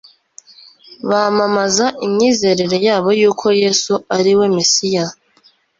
bamamaza imyizerere yabo y'uko yesu ari we mesiya